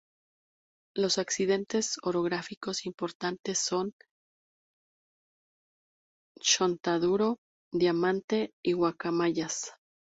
Los accidentes orográficos importantes son: Chontaduro, Diamante y Guacamayas.